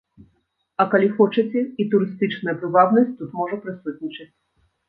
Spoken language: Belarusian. А калі хочаце, і турыстычная прывабнасць тут можа прысутнічаць.